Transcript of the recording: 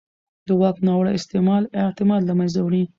د واک ناوړه استعمال اعتماد له منځه وړي